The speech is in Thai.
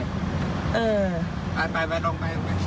เอาไปเลยค่ะ